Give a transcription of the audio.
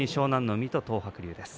海と東白龍です。